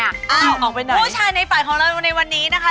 ผู้ชายในฝันของเราในวันนี้นะคะ